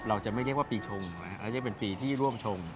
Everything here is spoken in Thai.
เราจะไม่เรียกว่าปีชงนะครับเราจะเป็นปีที่ร่วมชง